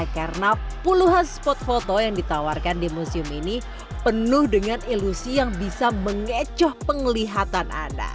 karena puluhan spot foto yang ditawarkan di museum ini penuh dengan ilusi yang bisa mengecoh penglihatan anda